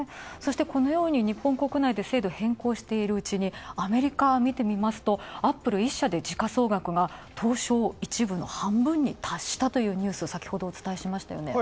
そしてこのように日本国内で変更しているうちにアメリカを見ると、アップル１社で時価総額が東証１部の半分に達したとニュース先ほどお伝えしました。